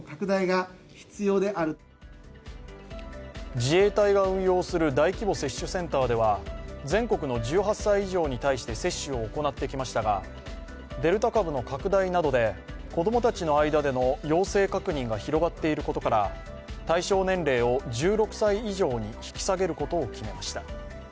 自衛隊が運用する大規模接種センターでは全国の１８歳以上に対して接種を行ってきましたが、デルタ株の拡大などで子供たちの間での陽性確認が広がっていることから対象年齢を１６歳以上に引き下げることを決めました。